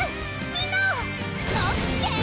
みんなを！